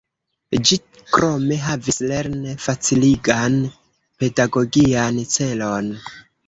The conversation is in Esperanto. Ĝi krome havis lern-faciligan, pedagogian celon.